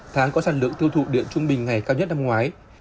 tháng có sản lượng tiêu thụ điện trung bình ngày cao nhất năm ngoái